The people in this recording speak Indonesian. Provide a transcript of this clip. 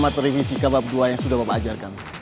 apa materi fisika bab dua yang sudah bapak ajarkan